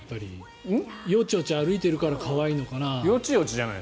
よちよち歩いてるから可愛いのかな。